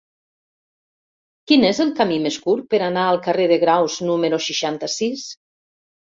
Quin és el camí més curt per anar al carrer de Graus número seixanta-sis?